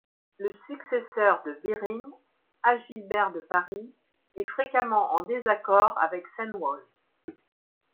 Le successeur de Birin, Agilbert de Paris, est fréquemment en désaccord avec Cenwalh.